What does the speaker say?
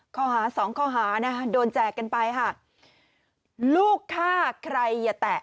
ข้อหาสองข้อหานะคะโดนแจกกันไปค่ะลูกฆ่าใครอย่าแตะ